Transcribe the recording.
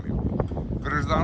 kita harus melakukan perubahan